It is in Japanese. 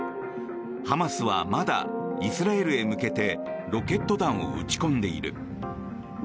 ハマスはまだイスラエルへ向けてロケット弾を撃ち込んでいる。